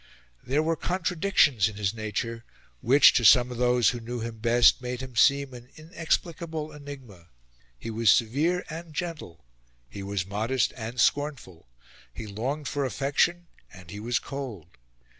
There were contradictions in his nature, which, to some of those who knew him best, made him seem an inexplicable enigma: he was severe and gentle; he was modest and scornful; he longed for affection and he was cold.